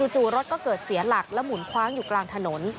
จู่รถก็เกิดเสียหลักและหมุนคว้างอยู่กลางถนน